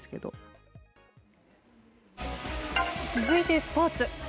続いてスポーツ。